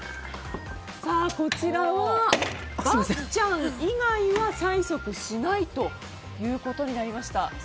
漠ちゃん以外は催促しないということになりました。